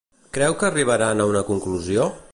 Creu que arribaran a una conclusió?